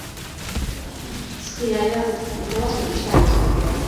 Зхы иааҩахаз иара уаҵәҟьа дышьҭаҳҵоит!